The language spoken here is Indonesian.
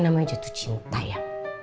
namanya jatuh cinta ya